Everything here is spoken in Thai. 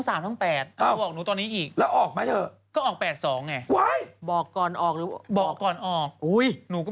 อาจารย์รักอะ